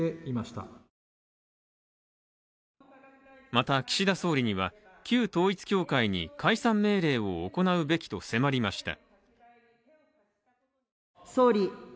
また、岸田総理には旧統一教会に解散命令を行うべきと迫りました。